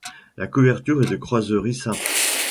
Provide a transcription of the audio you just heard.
La couverture est de croiserie simple.